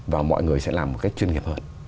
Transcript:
và mọi người sẽ làm một cách chuyên nghiệp hơn